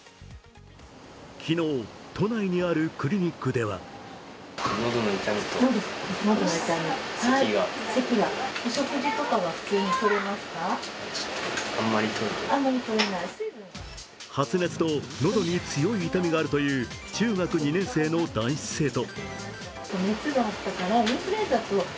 昨日、都内にあるクリニックでは発熱と喉に強い痛みがあるという中学２年生の男子生徒。